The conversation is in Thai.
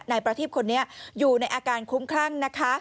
นายประทีพคนนี้อยู่ในอาการคุ้มคลั่งนะคะ